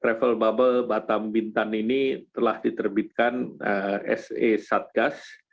travel bubble batam bintan ini telah diterbitkan se satgas